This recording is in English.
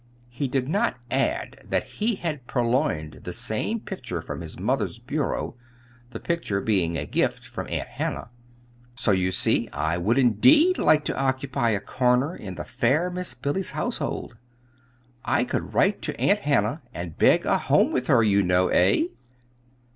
(He did not add that he had also purloined that same picture from his mother's bureau the picture being a gift from Aunt Hannah.) "So you see I would, indeed, like to occupy a corner in the fair Miss Billy's household. I could write to Aunt Hannah and beg a home with her, you know; eh?"